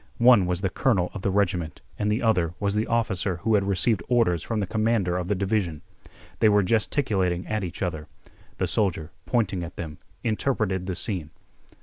One was the colonel of the regiment and the other was the officer who had received orders from the commander of the division. They were gesticulating at each other. The soldier, pointing at them, interpreted the scene.